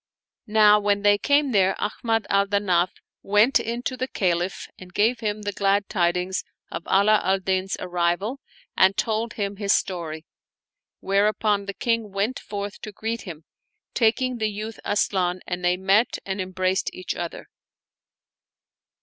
Now when they came there, Ahmad al Danaf went in to the Caliph and gave him the glad tidings of Ala al Din's arrival and told him his story ; whereupon the King went forth to greet him, taking the youth Asian and they met and embraced each other.